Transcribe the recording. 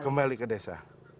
kembali ke desa